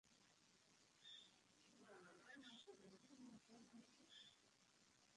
রোহান তোমায় খুব খুশি রাখবে।